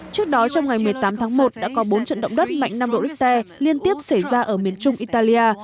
trước đó trong ngày một mươi tám tháng một đã có bốn trận động đất mạnh năm độ richter liên tiếp xảy ra ở miền trung italia